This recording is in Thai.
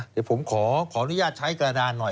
เดี๋ยวผมขออนุญาตใช้กระดานหน่อย